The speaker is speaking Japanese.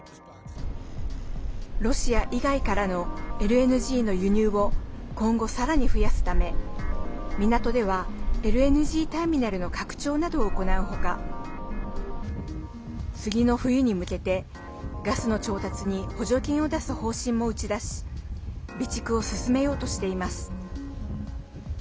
ロシア以外からのＬＮＧの輸入を今後、さらに増やすため港ではＬＮＧターミナルの拡張などを行うほか次の冬に向けて、ガスの調達に補助金を出す方針も打ち出し備蓄を進めようとしています。